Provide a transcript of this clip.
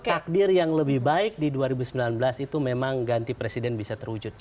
takdir yang lebih baik di dua ribu sembilan belas itu memang ganti presiden bisa terwujud